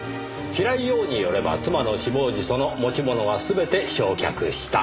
平井陽によれば妻の死亡時その持ち物は全て焼却した。